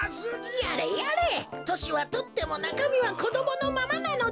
やれやれとしはとってもなかみはこどものままなのだ。